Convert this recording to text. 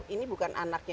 ini bukan anaknya